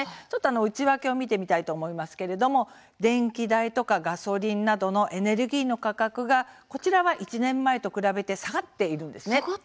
内訳を見てみますと、電気代とかガソリンなどのエネルギーの価格が１年前と比べて下がっているんです。